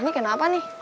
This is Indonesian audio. ini kena apa nih